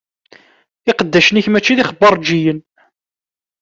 Iqeddacen-ik mačči d ixbaṛǧiyen.